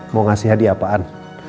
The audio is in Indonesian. mau ngasih hadiah apaan